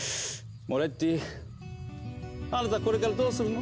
モレッティあなたこれからどうするの？